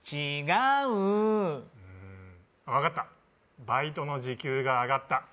違ううんあっ分かったバイトの時給が上がった